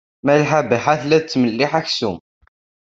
Malḥa Baḥa tella tettmelliḥ aksum.